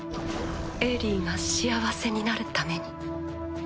エリィが幸せになるために。